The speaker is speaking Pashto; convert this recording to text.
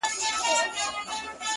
ژوند مي د هوا په لاس کي وليدی،